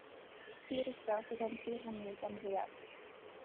Tir isel sydd yn Sir Fynwy gan fwyaf.